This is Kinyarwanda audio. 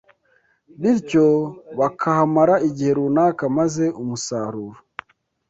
bityo bakahamara igihe runaka maze umusaruro